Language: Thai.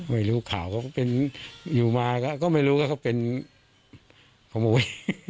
ไม่รู้ข่าวเขาก็เป็นอยู่มาก็ไม่รู้ว่าเขาเป็นขโมย